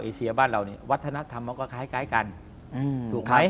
เอเซียบ้านเรานี่วัฒนธรรมมันก็คล้ายคล้ายกันอืมถูกไหม